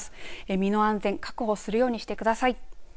身の安全、確保するようにしてください。